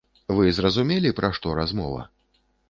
Вы зразумелі, пра што размова?